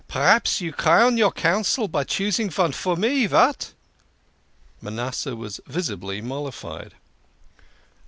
P'raps you crown your counsel by choosing von for me. Vat?" Manasseh was visibly mollified.